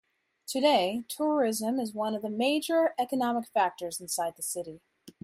Today, tourism is one of the major economic factors inside the city.